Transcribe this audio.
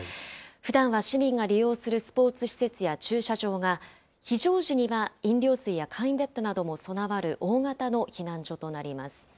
ふだんは市民が利用するスポーツ施設や駐車場が、非常時には飲料水や簡易ベッドなども備わる大型の避難所となります。